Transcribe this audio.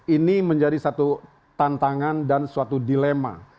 ini menjadi satu tantangan dan suatu dilema